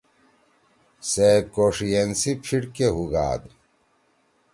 سے کوݜئین سی پھیِٹ کے ہُوگاد۔